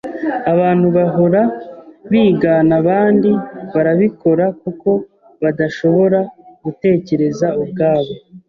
Abantu bahora bigana abandi barabikora kuko badashobora gutekereza ubwabo.